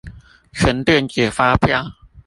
存電子發票